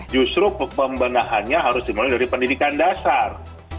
justru pembenahannya harus dimulai dari pendidikan dasar